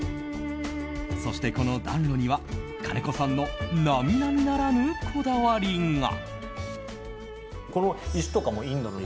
そして、この暖炉には金子さんの並々ならぬこだわりが。